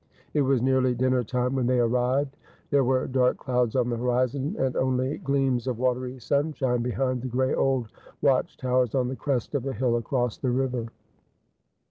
It was nearly dinner time when they arrived. There were dark clouds on the horizon, and only gleams of watery sunshine behind the gray old watch towers on the crest of the hill across the river.